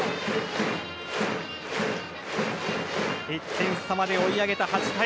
１点差まで追い上げた８回。